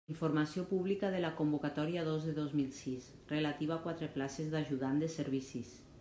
Informació publica de la Convocatòria dos de dos mil sis, relativa a quatre places d'ajudant de servicis.